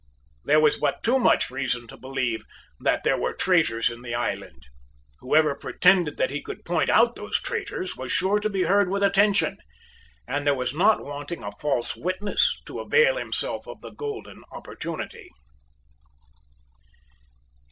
There was but too much reason to believe that there were traitors in the island. Whoever pretended that he could point out those traitors was sure to be heard with attention; and there was not wanting a false witness to avail himself of the golden opportunity.